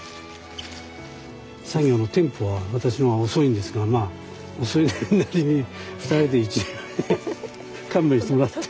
作業のテンポは私の方が遅いんですが遅いなりに２人で１人前で勘弁してもらって。